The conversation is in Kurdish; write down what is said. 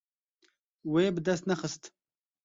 Wê bi dest nexist.